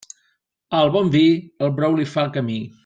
Al bon vi el brou li fa camí.